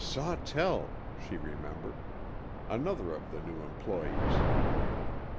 "Sawtell," she remembered. Another of the new employees.